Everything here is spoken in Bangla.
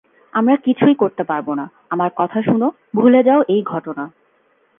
আমরা কিছুই করতে পারবো না, আমার কথা শুনো, ভুলে যাও এই ঘটনা।